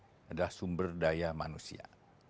suatu organisasi adalah sumber daya manusia